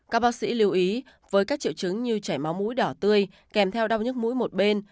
các bác sĩ lưu ý với các triệu chứng như chảy máu mũi đỏ tươi kèm theo đau nhức mũi một bên